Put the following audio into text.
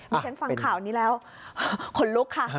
เมื่อกี้ฉันฟังข่าวนี้แล้วขนลุกค่ะ